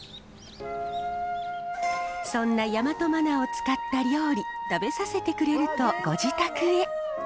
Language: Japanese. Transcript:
そんな大和まなを使った料理食べさせてくれるとご自宅へ。